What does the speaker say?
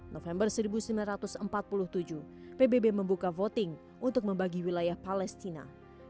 november seribu sembilan ratus empat puluh tujuh pbb membuka voting untuk membagi wilayah palestina